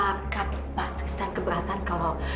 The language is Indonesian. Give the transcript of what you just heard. pak tristan keberatan kalau